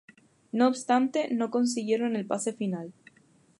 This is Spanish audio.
No obstante, no consiguieron el pase final.